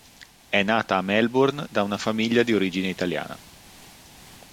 È nata a Melbourne da una famiglia di origine italiana.